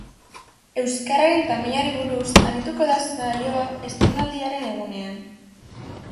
Euskararen tamainari buruz arituko da saioa estreinaldiaren egunean.